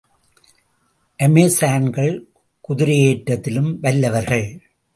அமெசான்கள் குதிரையேற்றத்திலும் வல்லவர்கள்.